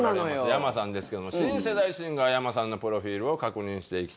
ｙａｍａさんですけど新世代シンガーｙａｍａさんのプロフィルを確認していきたいんですけどね